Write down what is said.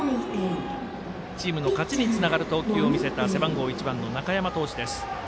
チームの勝ちにつながる投球を見せた背番号１番の中山投手です。